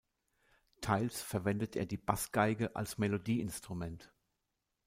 Teils verwendet er die Bassgeige als Melodieinstrument.